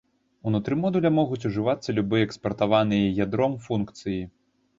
Унутры модуля могуць ужывацца любыя экспартаваныя ядром функцыі.